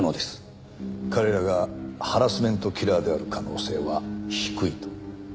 彼らがハラスメントキラーである可能性は低いと。